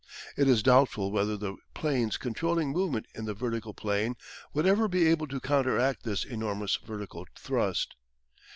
It is doubtful whether the planes controlling movement in the vertical plane would ever be able to counteract this enormous vertical thrust.